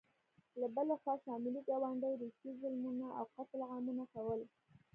له بلې خوا شمالي ګاونډي روسیې ظلمونه او قتل عامونه کول.